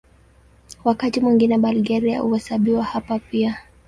Wakati mwingine Bulgaria huhesabiwa hapa pia.